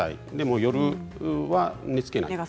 夜は寝つけない。